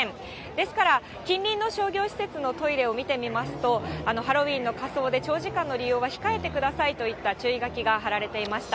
ですから、近隣の商業施設のトイレを見てみますと、ハロウィーンの仮装で長時間の利用は控えてくださいといった注意書きが貼られていました。